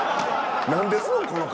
何ですの？